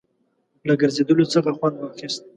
له ګرځېدلو څخه خوند واخیست.